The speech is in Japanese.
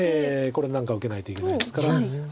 これ何か受けないといけないですから。